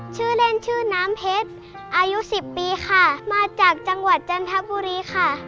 ชื่อเล่นชื่อน้ำเพชรอายุสิบปีค่ะมาจากจังหวัดจันทบุรีค่ะ